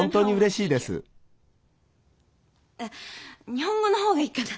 日本語の方がいいかな。